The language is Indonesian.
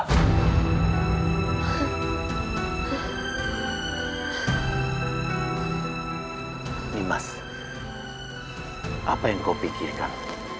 ini mas apa yang kau pikirkan